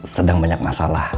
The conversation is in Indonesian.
sedang banyak masalah